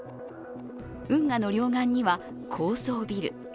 運河の両岸には高層ビル。